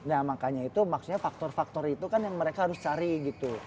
ya makanya itu maksudnya faktor faktor itu kan yang mereka harus cari gitu